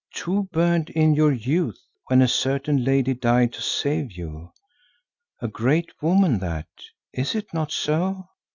Two burned in your youth when a certain lady died to save you, a great woman that, is it not so?